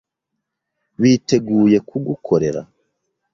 Biteguye kugukorera.